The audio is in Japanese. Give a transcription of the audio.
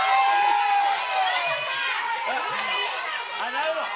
なるほど。